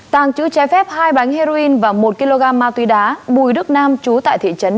tàng chữ trái phép hai bánh heroin và một kg ma túy đá bùi đức nam chú tại thị trấn